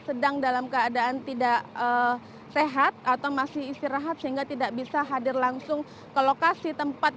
sedang dalam keadaan tidak sehat atau masih istirahat sehingga tidak bisa hadir langsung ke lokasi tempat